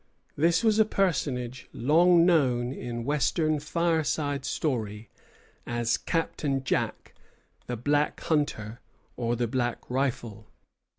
This was a personage long known in Western fireside story as Captain Jack, the Black Hunter, or the Black Rifle.